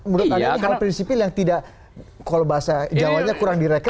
menurut anda ini hal prinsipil yang tidak kalau bahasa jawanya kurang direkam